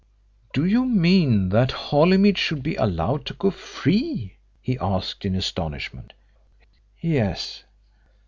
"Do you mean that Holymead should be allowed to go free?" he asked, in astonishment. "Yes."